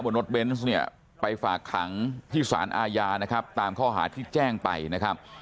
รถเบนส์เนี่ยไปฝากขังที่สารอาญานะครับตามข้อหาที่แจ้งไปนะครับ